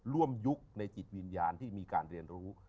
ยุคในจิตวิญญาณที่มีการเรียนรู้